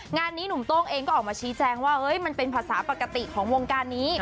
งานนี้หนุ่มโต้งเองก็ออกมาชี้แจงว่ามันเป็นภาษาปกติของวงการนี้